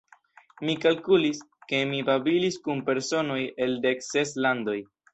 Mi kalkulis, ke mi babilis kun personoj el dek ses landoj.